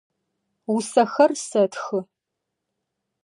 Усэхэр сэтхы.